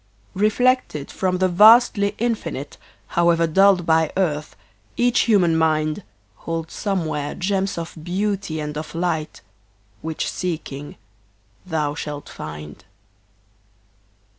Reflected from the vasty Infinite, However dulled by earth, each human mind Holds somewhere gems of beauty and of light Which, seeking, thou shalt find.